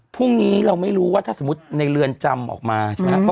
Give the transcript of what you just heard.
พรุ่งนี้เราไม่รู้ว่าถ้าสมมุติในเรือนจำออกมาใช่ไหมครับ